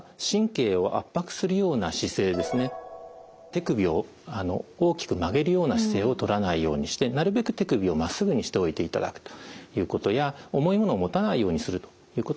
手首を大きく曲げるような姿勢をとらないようにしてなるべく手首をまっすぐにしておいていただくということや重いものを持たないようにするということは大事です。